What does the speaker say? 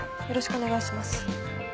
よろしくお願いします。